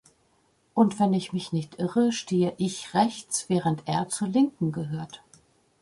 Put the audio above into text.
Und wenn ich mich nicht irre, stehe ich rechts, während er zur Linken gehört!